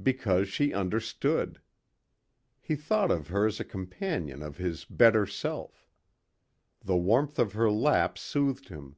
Because she understood. He thought of her as a companion of his better self. The warmth of her lap soothed him.